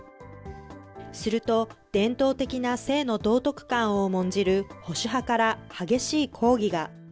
すると、伝統的な性の道徳観を重んじる保守派から激しい抗議が。